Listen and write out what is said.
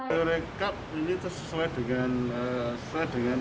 perekat ini sesuai dengan yang ada di